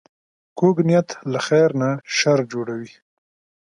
کوږ نیت له خیر نه شر جوړوي